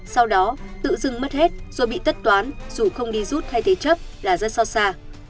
sau đó tự dưng mất hết rồi bị tất toán dù không đi rút hay thế chấp là rất so sà